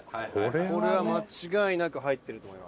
これは間違いなく入ってると思います。